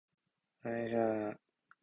浜名湖の鰻は美味しかったな